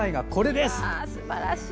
すばらしい！